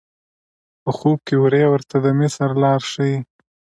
په خوب کې وری ورته د مصر لار ښیي.